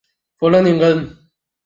弗勒宁根。